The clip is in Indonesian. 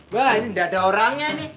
wah ini tidak ada orangnya nih